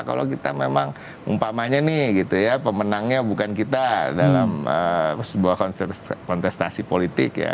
karena memang umpamanya nih gitu ya pemenangnya bukan kita dalam sebuah kontestasi politik ya